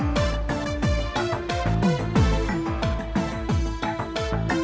atau kita akan di kumpul juga items